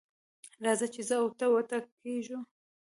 راځه چې زه او ته وټکېږو.